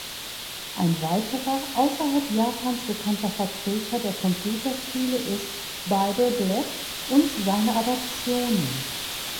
Ein weiterer außerhalb Japans bekannter Vertreter der Computerspiele ist "Bible Black" und seine Adaptionen.